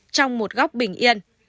trong một góc bình yên